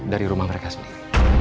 dari rumah mereka sendiri